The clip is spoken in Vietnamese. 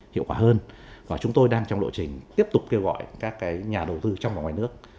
hiệu quả hơn và chúng tôi đang trong lộ trình tiếp tục kêu gọi các nhà đầu tư trong và ngoài nước